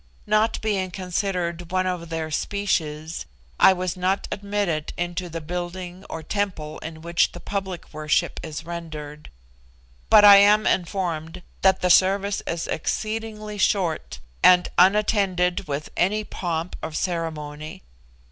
Not being considered one of their species, I was not admitted into the building or temple in which the public worship is rendered; but I am informed that the service is exceedingly short, and unattended with any pomp of ceremony.